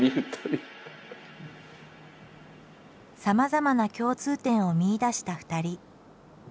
さまざまな共通点を見いだした２人。